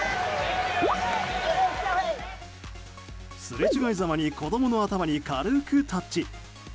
すれ違いざまに子供の頭に軽くタッチ。